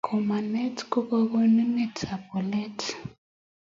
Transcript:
ngomnatet ko konunet ap walet